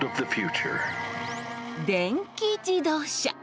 電気自動車。